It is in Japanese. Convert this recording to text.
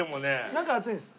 中熱いんです。